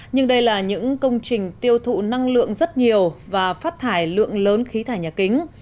nhưng đây là những công trình tiêu thụ năng lượng rất nhiều và phát thải lượng lớn khí thải nhà kính